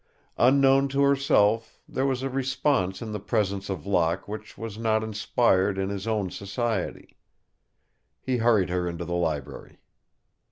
Unknown to herself, there was a response in the presence of Locke which was not inspired in his own society. He hurried her into the library.